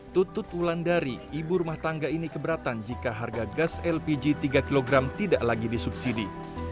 tutut wulandari ibu rumah tangga ini keberatan jika harga gas lpg tiga kg tidak lagi disubsidi